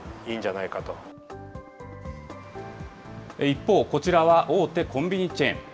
一方、こちらは大手コンビニチェーン。